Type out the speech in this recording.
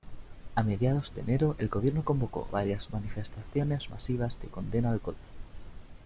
A mediados de enero, el gobierno convocó varias manifestaciones masivas de condena al golpe.